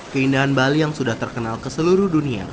keindahan bali yang sudah terkenal ke seluruh dunia